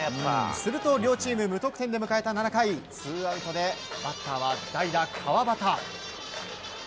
すると両チーム無得点で迎えた７回ツーアウトでバッターは代打、川端。